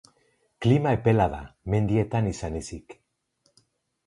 Klima epela da mendietan izan ezik.